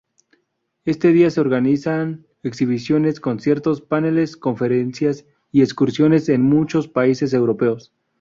Este día se organizan exhibiciones, conciertos, paneles, conferencias y excursiones en muchos países europeos.